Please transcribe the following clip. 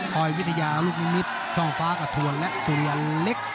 คอยวิทยาลูกนิมิตรช่องฟ้ากระทวนและสุริยันเล็ก